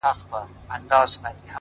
• په دې پوهېږمه چي ستا د وجود سا به سم؛